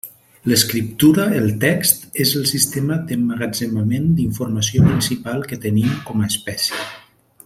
L'escriptura, el text, és el sistema d'emmagatzemament d'informació principal que tenim com a espècie.